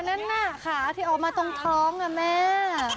นั่นน่ะขาที่ออกมาตรงท้องอะแม่